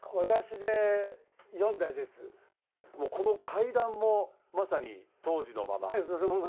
この階段もまさに当時のまま。